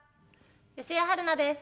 吉江晴菜です。